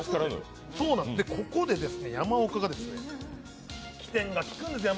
ここで山岡が機転がきくんです。